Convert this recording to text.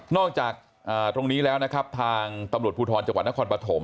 จากตรงนี้แล้วนะครับทางตำรวจภูทรจังหวัดนครปฐม